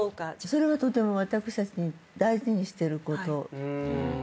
それはとても私たち大事にしてることです。